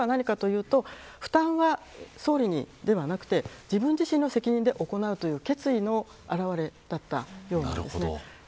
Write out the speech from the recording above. その心は何かというと負担は総理にではなく自分自身の責任で行うという決意の表れだったんです。